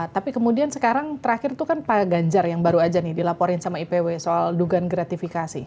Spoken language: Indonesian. tapi kemudian sekarang terakhir itu kan pak ganjar yang baru aja nih dilaporin sama ipw soal dugaan gratifikasi